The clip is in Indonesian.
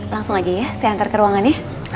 langsung aja ya saya antar ke ruangannya